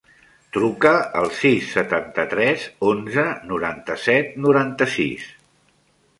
Truca al sis, setanta-tres, onze, noranta-set, noranta-sis.